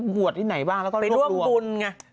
หวัดที่ไหนบ้างแล้วมีหวัดหลบหลัวไปด้วงบุญไง